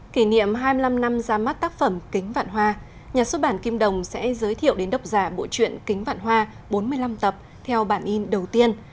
kỷ niệm hai mươi năm năm ra mắt tác phẩm kính vạn hoa nhà xuất bản kim đồng sẽ giới thiệu đến độc giả bộ chuyện kính vạn hoa bốn mươi năm tập theo bản in đầu tiên